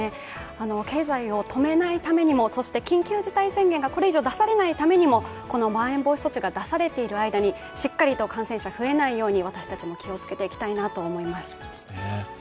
経済を止めないためにもそして緊急事態宣言がこれ以上出さないためにもまん延防止等重点措置が出されている間にしっかりと感染者が増えないように私たちも気をつけていきたいと思います。